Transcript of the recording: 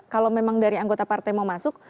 kalau memang dari anggota partai mau masuk